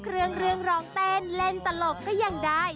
ฝนเงินก็ร้องเต้นเล่นตลกก็ยังได้